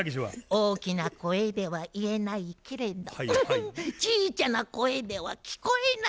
大きな声では言えないけれどちいちゃな声では聞こえない。